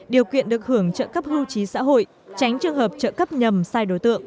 điều kiện được hưởng trợ cấp hưu trí xã hội tránh trường hợp trợ cấp nhầm sai đối tượng